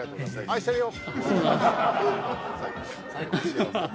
愛してるよ！」